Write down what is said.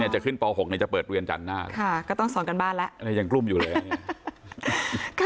เนี้ยจะขึ้นปหกเนี้ยจะเปิดเรียนจันทร์หน้าค่ะก็ต้องสอนการบ้านละยังกลุ้มอยู่เลยอันนี้